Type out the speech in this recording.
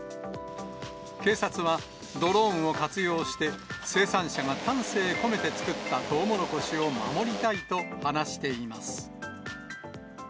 警察は、ドローンを活用して、生産者が丹精込めて作ったトウモロコシを守りたいと話しています。